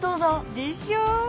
でしょ！